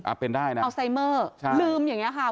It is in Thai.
อัลไซเมอร์ลืมอย่างนี่ค่ะ